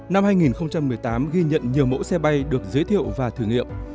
năm hai nghìn một mươi tám ghi nhận nhiều mẫu xe bay được giới thiệu và thử nghiệm